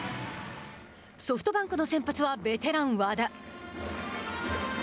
ソフトバンクの先発はベテラン和田。